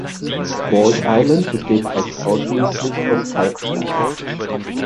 Bald Island besteht fast ausschließlich aus Kalkstein.